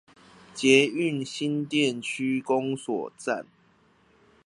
捷運新店區公所站